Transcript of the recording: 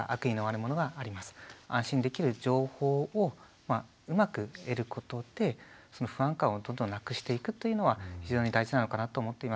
安心できる情報をうまく得ることでその不安感をどんどんなくしていくっていうのは非常に大事なのかなと思っています。